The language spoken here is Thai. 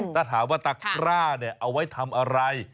ถ้าถามว่าตะกร้าเนี่ยเอาไว้ทำอะไร